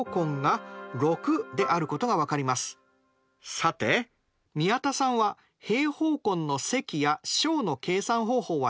さて宮田さんは平方根の積や商の計算方法は知っていますね。